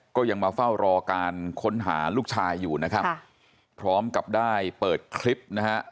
ก็ยังมาเฝ้ารอการค้นหาลูกชายอยู่นะครับพร้อมกับได้เปิดคลิปนะฮะ